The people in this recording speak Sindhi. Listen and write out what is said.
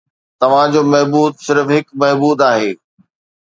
توهان جو معبود صرف هڪ معبود آهي